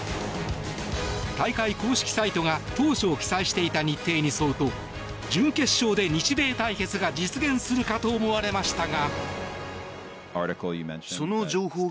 大会公式サイトが当初記載していた日程に沿うと準決勝で日米対決が実現するかと思われましたが。